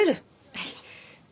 はい。